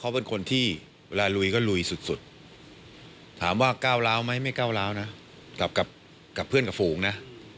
เขาเป็นคนที่เวลาลุยก็ลุยสุดถามว่าก้าวร้าวไหมไม่ก้าวร้าวนะกับเพื่อนกับฝูงนะ